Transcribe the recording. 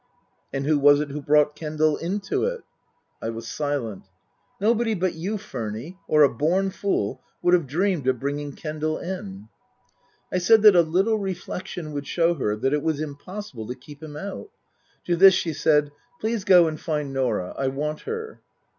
" And who was it who brought Kendal into it ?" I was silent. " Nobody but you, Furny, or a born fool, would have dreamed of bringing Kendal in." I said that a little reflection would show her that it was impossible to keep him out. To this she said, " Please go and find Norah. I want her."